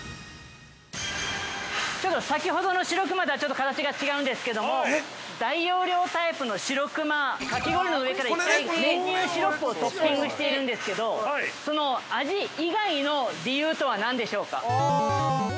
◆先ほどの白くまとはちょっと形が違うんですけども、大容量タイプの「しろくま」かき氷の上から１回練乳シロップをトッピングしているんですけど、その味以外の理由とは何でしょうか。